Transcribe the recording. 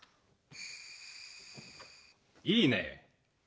いいね！